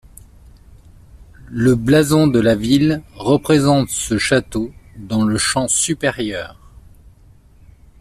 Le blason de la ville représente ce château dans le champ supérieur.